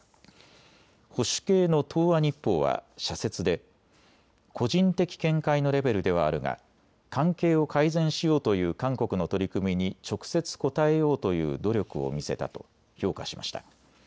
保守系の東亜日報は社説で個人的見解のレベルではあるが関係を改善しようという韓国の取り組みに直接応えようという努力を見せたと評価しました。